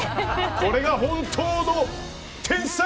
これが本当の天才